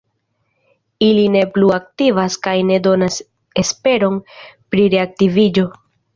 Ili ne plu aktivas kaj ne donas esperon pri reaktiviĝo.